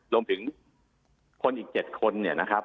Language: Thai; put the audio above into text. รวมถึงคนอีกเจ็ดคนเนี่ยคุณครับ